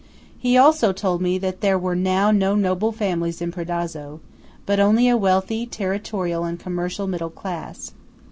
He also told me that there were now no noble families in Predazzo; but only a wealthy territorial and commercial middle class.